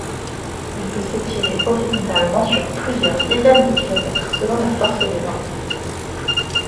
Il peut s'étirer horizontalement sur plusieurs dizaines de kilomètres selon la force des vents.